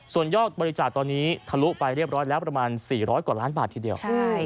ส่วนยอดบริจาคตอนนี้ทะลุไปเรียบร้อยแล้วประมาณ๔๐๐กว่าล้านบาททีเดียว